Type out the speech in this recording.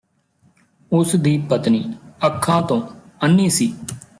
ਉਸ ਦੀ ਪਤਨੀ ਅੱਖਾਂ ਤੋਂ ਅੰਨ੍ਹੀ ਸੀ